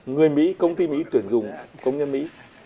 người mỹ công ty mỹ tuyển dụng công nhân mỹ